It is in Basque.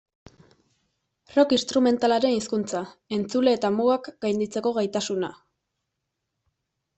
Rock instrumentalaren hizkuntza, entzule eta mugak gainditzeko gaitasuna.